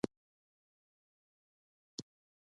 آیا دوی پسته امریکا او اروپا ته نه لیږي؟